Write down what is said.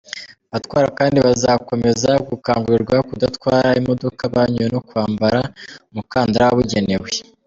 Abatwara kandi bazakomeza gukangurirwa kudatwara imodoka banyoye no kwambara umukandara wabugenewe .